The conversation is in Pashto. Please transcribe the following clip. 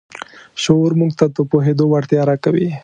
شعور موږ ته د پوهېدو وړتیا راکوي.